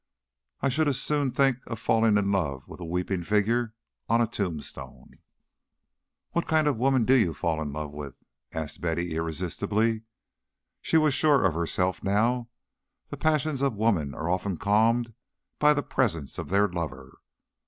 I should as soon think of falling in love with a weeping figure on a tombstone." "What kind of women do you fall in love with?" asked Betty, irresistibly. She was sure of herself now. The passions of women are often calmed by the presence of their lover.